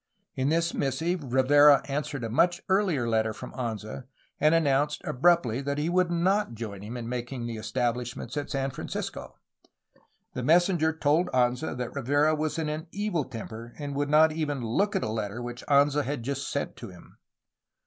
In this missive Rivera answered a much earlier letter from Anza, and announced abruptly that he would not join him in making the establishments at San Francisco. The messenger told Anza that Rivera was in an evil temper and would not even look at a letter which Anza had just sent to him.